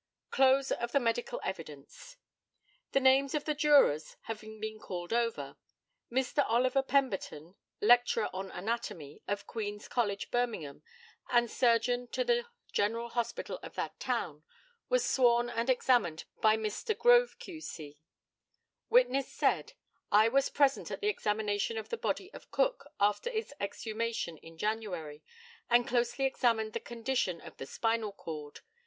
CLOSE OF THE MEDICAL EVIDENCE. The names of the jurors having been called over. Mr. OLIVER PEMBERTON, lecturer on anatomy, of Queen's College, Birmingham, and surgeon to the General Hospital of that town, was sworn and examined by Mr. Grove, Q.C. Witness said I was present at the examination of the body of Cook after its exhumation in January, and closely examined the condition of the spinal cord.